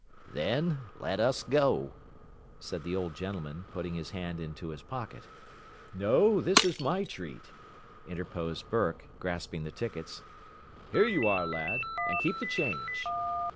"Then let us go," said the old gentleman, putting his hand into his pocket. "No; this is my treat," interposed Burke, grasping the tickets. "Here you are, lad, and keep the change."